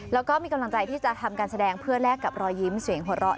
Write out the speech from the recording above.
แล้วก็มีกำลังใจที่จะทำการแสดงเพื่อแลกกับรอยยิ้มเสียงหัวเราะ